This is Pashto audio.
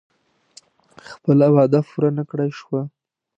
خپله وعده پوره نه کړای شوه.